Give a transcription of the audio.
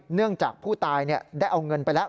เนื่องจากผู้ตายได้เอาเงินไปแล้ว